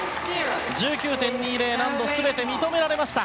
１９．２０難度、全て認められました。